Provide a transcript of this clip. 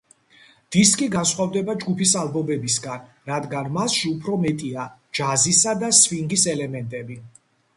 დისკი განსხვავდება ჯგუფის ალბომებისგან, რადგან მასში უფრო მეტია ჯაზისა და სვინგის ელემენტები.